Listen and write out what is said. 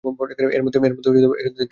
এর মধ্যে ত্যাগস্বীকার কিছুই নেই।